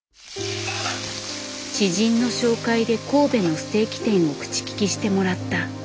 知人の紹介で神戸のステーキ店を口利きしてもらった。